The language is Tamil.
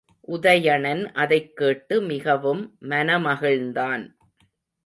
உதயணன் அதைக் கேட்டு மிகவும் மனமகிழ்ந்தான்.